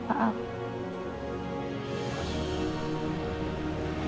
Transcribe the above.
saya antar beliau